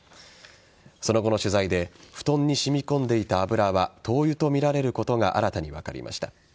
その後の取材で布団に染み込んでいた油は灯油とみられることが新たに分かりました。